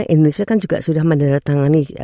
indonesia kan juga sudah menerat tangani